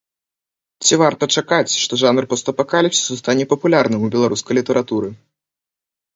Ці варта чакаць, што жанр постапакаліпсісу стане папулярным у беларускай літаратуры?